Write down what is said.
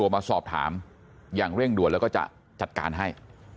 มาสอบถามอย่างเร่งด่วนแล้วก็จะจัดการให้